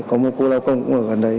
có một cô lao công cũng ở gần đấy